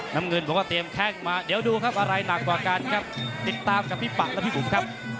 น้ำเงินบอกว่าเตรียมแข้งมาเดี๋ยวดูครับอะไรหนักกว่ากันครับติดตามกับพี่ปักและพี่บุ๋มครับ